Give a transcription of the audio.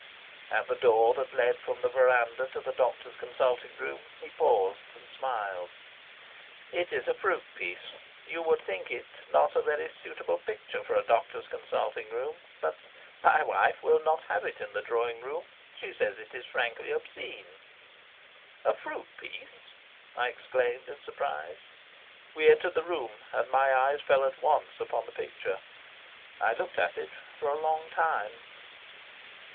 At the door that led from the verandah to the doctor's consulting room, he paused and smiled. "It is a fruit piece. You would think it not a very suitable picture for a doctor's consulting room, but my wife will not have it in the drawing room. She says it is frankly obscene." "A fruit piece!" I exclaimed in surprise. We entered the room, and my eyes fell at once on the picture. I looked at it for a long time.